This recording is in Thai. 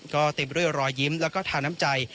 ก็เต็มด้วยรอยยิ้มแล้วก็ทาน้ำใจ